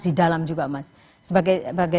di dalam juga mas sebagai